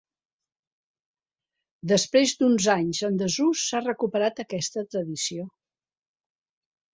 Després d'uns anys en desús s'ha recuperat aquesta tradició.